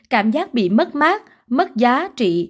cảm giác bị mất mát mất giá trị